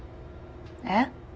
えっ？